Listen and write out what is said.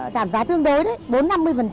giảm giá tương đối đấy